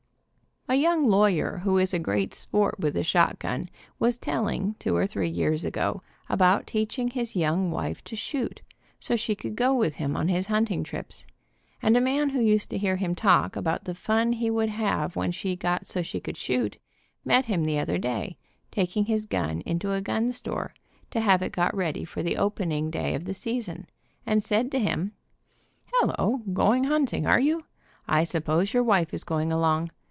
A young lawyer who is a great sport with the shotgun was telling two or three years ago about teaching his young wife to shoot, so she could go with him on his hunting trips, and a man who used to hear him talk about the fun he would have when she got so she could shoot, met him the other day, taking his gun into a gun store, to have it got ready for the opening day of the season, and said to him : "Hello, going hunting, are you? I suppose your wife is going along.